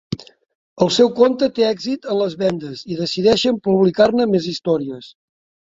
El seu conte té èxit en les vendes i decideixen publicar-ne més històries.